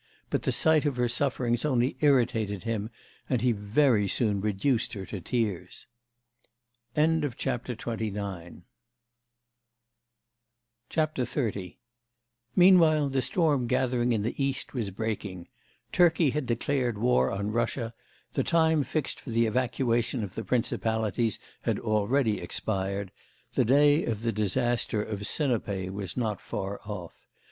But the sight of her sufferings only irritated him, and he very soon reduced her to tears. XXX Meanwhile the storm gathering in the East was breaking. Turkey had declared war on Russia; the time fixed for the evacuation of the Principalities had already expired, the day of the disaster of Sinope was not far off.